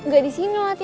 gak di sini latihannya